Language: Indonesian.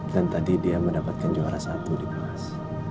dan tadi dia mendapatkan juara satu di kelas